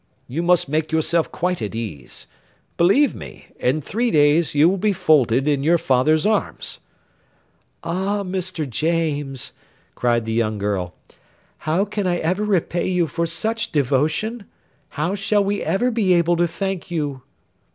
You must make yourself quite at ease; believe me, in three days you will be folded in your father's arms." "Ah! Mr. James," cried the young girl, "how can I ever repay you for such devotion? How shall we ever be able to thank you?"